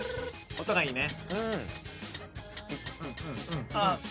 音がいいね。